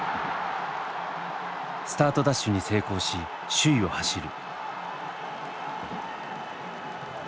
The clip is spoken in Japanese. スタートダッシュに成功し首位を走る。